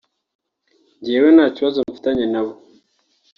njyewe nta kibazo mfitanye nabo